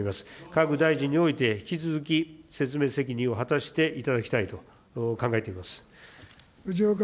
各大臣において、引き続き説明責任を果たしていただきたいと考えています。